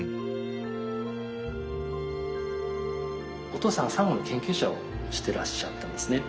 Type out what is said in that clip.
お父さんは珊瑚の研究者をしていらっしゃったんですね。